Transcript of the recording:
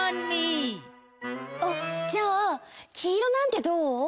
あじゃあきいろなんてどう？